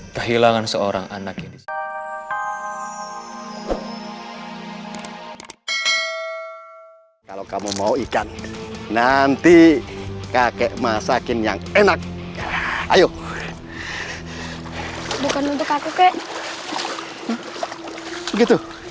kehilangan seorang anak yang disini